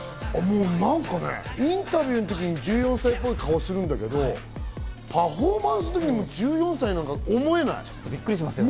インタビューの時に１４歳っぽい顔するんだけど、パフォーマンスの時に１４歳とは思えない。